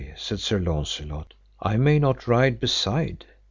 said Sir Launcelot, I may not ride beside.